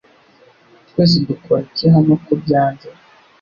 Twese dukora iki hano ko byanze?